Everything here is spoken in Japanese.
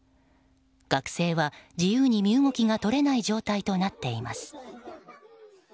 学生は自由に身動きが取れない状態となっています。